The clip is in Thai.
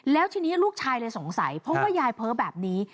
แล้วทีนี้ลูกชายเลยสงสัยเพราะว่ายายเพ้อแบบนี้